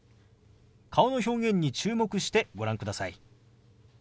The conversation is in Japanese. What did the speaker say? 顔の表現に注目してご覧ください。